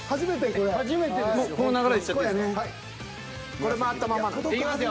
これ回ったまんまなん？